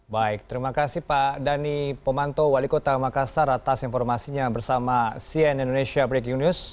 baik terima kasih pak dhani pomanto wali kota makassar atas informasinya bersama cn indonesia breaking news